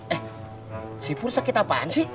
eh si pur sakit apaan sih